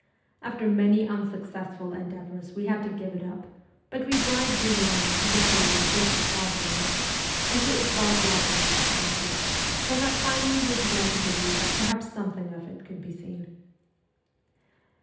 After many unsuccessful endeavours we had to CHILDHOOD 25 give it up, but we bribed .Uliana to behave as if she saw the image, and to applaud loudly at this passage, so that finally we began to believe that perhaps something of it could be seen.